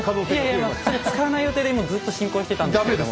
いやいや使わない予定でもうずっと進行してたんですけども。